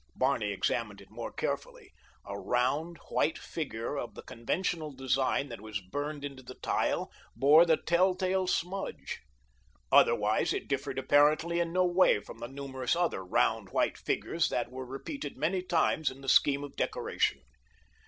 Barney examined it more carefully. A round, white figure of the conventional design that was burned into the tile bore the telltale smudge. Otherwise it differed apparently in no way from the numerous other round, white figures that were repeated many times in the scheme of decoration.